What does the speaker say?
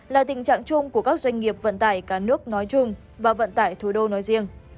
là tình trạng chung của các doanh nghiệp vận tải cả nước nói chung và vận tải thủ đô nói riêng